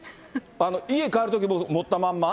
家帰るときも、持ったまんま？